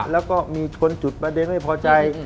แล้วก็มีคนจุดประเด็นไม่พอใจ